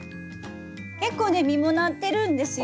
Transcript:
結構ね実もなってるんですよ。